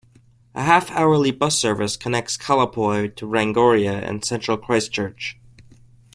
A half-hourly bus service connects Kaiapoi to Rangiora and central Christchurch.